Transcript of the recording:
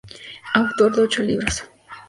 Autor de ocho libros.